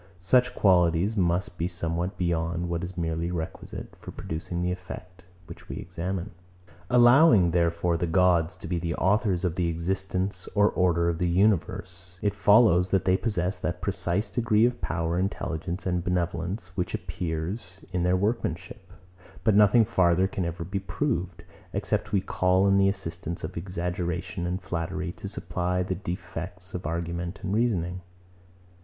Such qualities must be somewhat beyond what is merely requisite for producing the effect, which we examine. 106. Allowing, therefore, the gods to be the authors of the existence or order of the universe; it follows, that they possess that precise degree of power, intelligence, and benevolence, which appears in their workmanship; but nothing farther can ever be proved, except we call in the assistance of exaggeration and flattery to supply the defects of argument and reasoning.